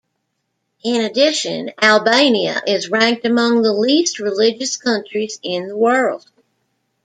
In addition, Albania is ranked among the least religious countries in the world.